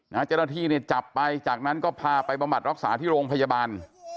เจ้าหน้าที่เนี่ยจับไปจากนั้นก็พาไปบำบัดรักษาที่โรงพยาบาล